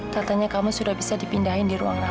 katanya kamu sudah bisa dipindahin di ruang rawat